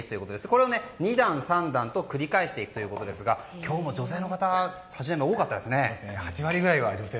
これを２段３段と繰り返していくということですが今日も女性の方、多かったですね。